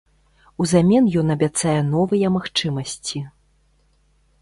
Узамен ён абяцае новыя магчымасці.